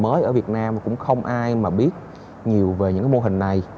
mới ở việt nam cũng không ai mà biết nhiều về những cái mô hình này